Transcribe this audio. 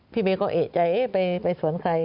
พี่เมย์ก็เอกใจไปสวนใคร